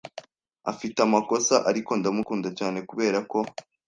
Afite amakosa, ariko ndamukunda cyane kuberako.